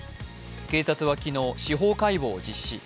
警察は昨日、司法解剖を実施。